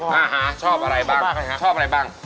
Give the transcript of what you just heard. ชอบอะไรบ้างชอบอะไรบ้างชอบมากครับท่านครับ